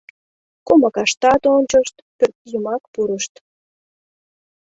Комакаштат ончышт, пӧртйымак пурышт.